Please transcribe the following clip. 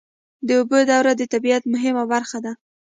د اوبو دوره د طبیعت مهمه برخه ده.